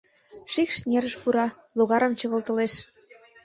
Шикш нерыш пура, логарым чыгылтылеш.